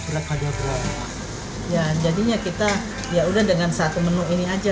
ya jadinya kita yaudah dengan satu menu ini aja